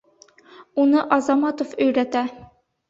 Уны Азаматов өйрәтә